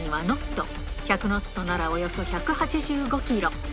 １００ノットならおよそ１８５キロ。